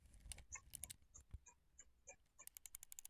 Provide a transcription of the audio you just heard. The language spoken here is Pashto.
مېز د نظم او ترتیب سمبول دی.